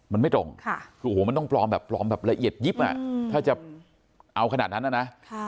มันไม่ตรงมันต้องปลอมแบบละเอียดยิบถ้าจะเอาขนาดนั้นน่ะนะ